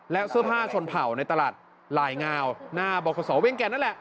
และเสื้อผ้าชนเผ่าในตลาดลายงาวหน้าบขเวียงแก่นนั่นแหละ